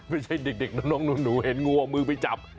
ไม่ใช่เด็กน้องหนูเห็นงูเอามือไปจับ